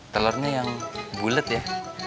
telurnya yang bulet ya